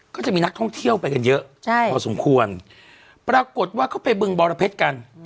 ก็จะมีนักท่องเที่ยวไปกันเยอะพอสมควรปรากฏว่าเขาไปบึงบรเพชรกัน